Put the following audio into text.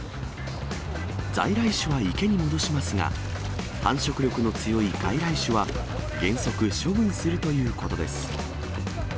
在来種は池に戻しますが、繁殖力の強い外来種は、原則処分するということです。